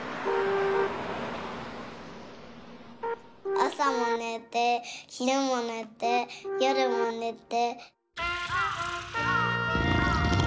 あさもねてひるもねてよるもねて。